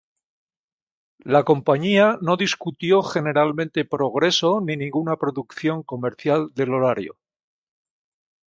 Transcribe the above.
La compañía no discutió generalmente progreso ni ninguna producción comercial del horario.